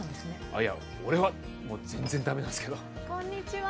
いや俺は全然ダメなんですけどこんにちは